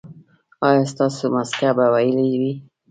ایا ستاسو مسکه به ویلې وي؟